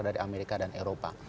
dari amerika dan eropa